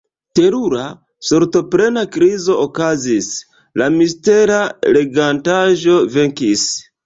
Terura, sortoplena krizo okazis: la mistera regantaĵo venkis.